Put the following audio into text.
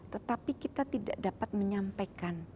tetapi kita tidak dapat menyampaikan